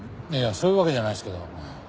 いやそういうわけじゃないですけど。